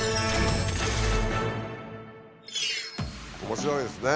面白いですね。